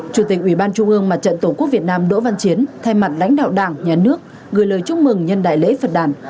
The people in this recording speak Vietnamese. chủ tịch ủy ban trung ương mặt trận tổ quốc việt nam đỗ văn chiến thay mặt lãnh đạo đảng nhà nước gửi lời chúc mừng nhân đại lễ phật đàn